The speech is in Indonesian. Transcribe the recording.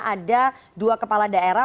ada dua kepala daerah